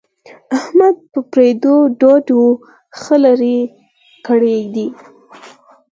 احمد په پردیو ډوډیو ښه لری کړی دی.